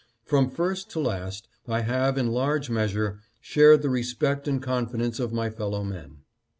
From first to last I have, in large measure, shared the respect and confidence of my fellow men.